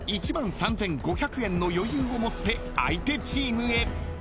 ［１万３，５００円の余裕を持って相手チームへ］